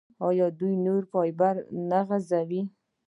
آیا دوی نوري فایبر نه غځوي؟